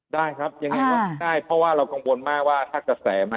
ได้ครับยังไงวัดได้เพราะว่าเรากังวลมากว่าถ้ากระแสมา